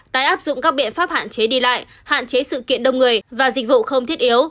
tái áp dụng các biện pháp hạn chế đi lại hạn chế sự kiện đông người và dịch vụ không thiết yếu